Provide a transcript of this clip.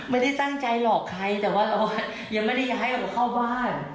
ไม่ได้ตั้งใจหลอกใครแต่ว่าเรายังไม่ได้ย้ายเราเข้าบ้าน